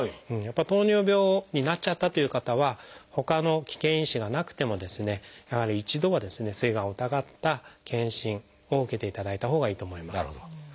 糖尿病になっちゃったという方はほかの危険因子がなくてもやはり一度はすいがんを疑った検診を受けていただいたほうがいいと思います。